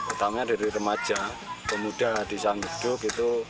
utamanya dari remaja pemuda di san geduk